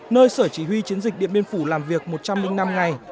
nơi sở chỉ huy chiến dịch điện biên phủ làm việc một trăm linh năm ngày